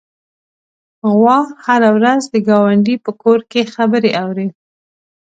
غوا هره ورځ د ګاونډي په کور کې خبرې اوري.